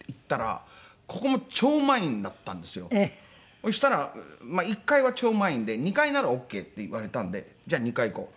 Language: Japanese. そしたら１階は超満員で２階ならオーケーって言われたんでじゃあ２階行こう。